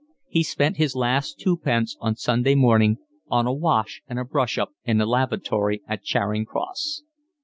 He spent his last twopence on Sunday morning on a wash and a brush up in the lavatory at Charing Cross.